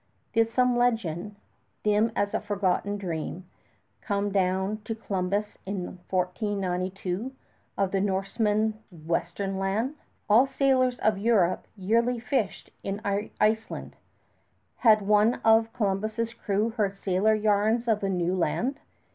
Did some legend, dim as a forgotten dream, come down to Columbus in 1492 of the Norsemen's western land? All sailors of Europe yearly fished in Iceland. Had one of Columbus's crew heard sailor yarns of the new land?